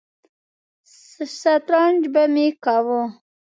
سترنج به مې کاوه.